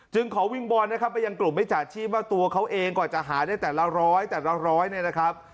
จึงเขาวิ่งบอลนะครับไปยังกลุ่มให้จัดชีพมาตัวเขาเองกว่าจะหาได้แต่ละร้อยแต่ละร้อยนะครับ